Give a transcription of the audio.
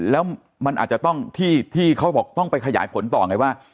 แล้วมันอาจจะต้องที่เขาบอกต้องไปขยายผลต่อไงว่า